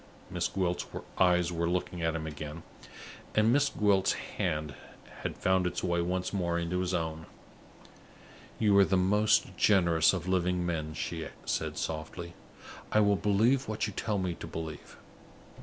Miss Gwilt's eyes were looking at him again, and Miss Gwilt's hand had found its way once more into his own. "You are the most generous of living men," she said, softly. "I will believe what you tell me to believe.